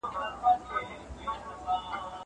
زه مخکي مڼې خوړلي وو!